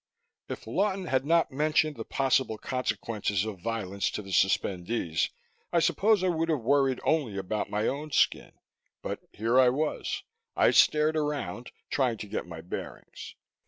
If Lawton had not mentioned the possible consequences of violence to the suspendees, I suppose I would have worried only about my own skin. But here I was. I stared around, trying to get my bearings.